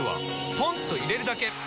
ポンと入れるだけ！